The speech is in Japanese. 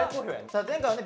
前回はね